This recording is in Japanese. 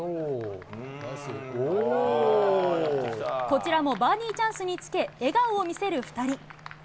こちらもバーディーチャンスにつけ、笑顔を見せる２人。